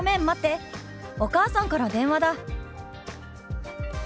お母さんから電話だ」。